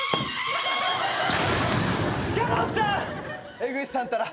江口さんったら